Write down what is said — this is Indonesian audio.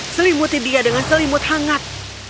selimuti dia dengan selimut hangat